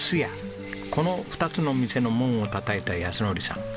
この２つの店の門をたたいた靖典さん。